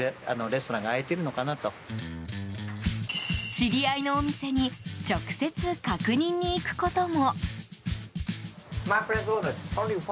知り合いのお店に直接、確認に行くことも。